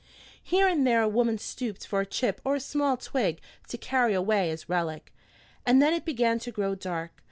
Here and there a woman stooped for a chip or a small twig to carry away as relic. And then it began to grow dark.